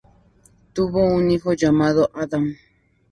Tuvo un hijo llamado Adam.